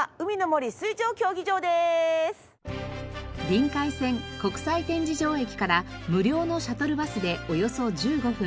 りんかい線国際展示場駅から無料のシャトルバスでおよそ１５分。